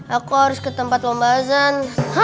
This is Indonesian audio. aku harus ke tempat pembahasan